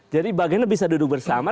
jadi bagiannya bisa duduk bersama